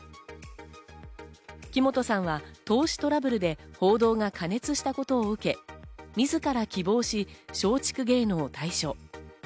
木本さんは投資トラブルで報道が過熱したことを受け、自ら希望し、松竹芸能を退所。